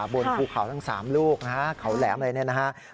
บนภูเขาทั้ง๓ลูกเขาแหลมเลยนะครับ